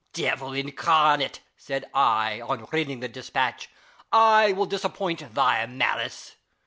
" Devil incarnate !" said I, on reading the despatch, " I will disappoint thy malice."